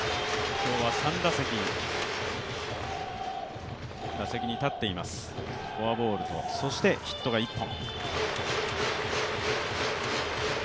今日は３打席、打席に立っていますフォアボールと、そしてヒットが１本。